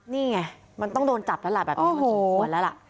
นี่ไงมันต้องโดนจับแล้วล่ะแบบนี้มันสมควรแล้วล่ะ